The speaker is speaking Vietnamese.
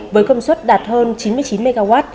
với công suất đạt hơn chín mươi chín mw